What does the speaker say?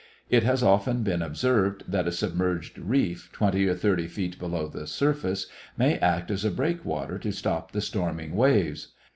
It has often been observed that a submerged reef, twenty or thirty feet below the surface, may act as a breakwater to stop the storming waves.